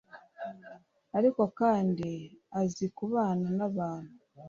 Ariko kandi azi kubana n’abantu